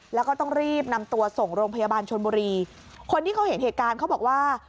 แล้วก็ต้องรีบนำตัวส่งโรงพยาบาลชนบุรีคนที่เขาเห็นเหตุการณ์เขาบอกว่า